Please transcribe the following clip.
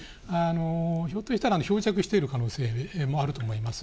ひょっとしたら漂着している可能性もあると思います。